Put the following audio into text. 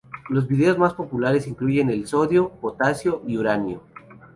Los vídeos más populares incluyen el sodio, potasio y uranio.